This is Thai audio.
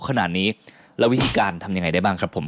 ขนาดนี้แล้ววิธีการทำยังไงได้บ้างครับผม